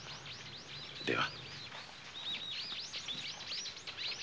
では。